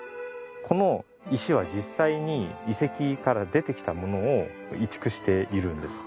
この石は実際に遺跡から出てきたものを移築しているんです。